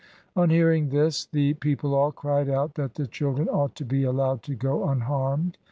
' On hearing this the people all cried out that the children ought to be allowed to go unharmed.